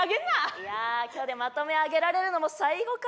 いやあ今日でまとめ上げられるのも最後か。